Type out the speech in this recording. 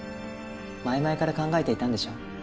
前々から考えていたんでしょ？